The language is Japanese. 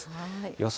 予想